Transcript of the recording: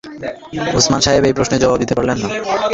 ওসমান সাহেব এই প্রশ্নের জবাব দিতে পারলেন না।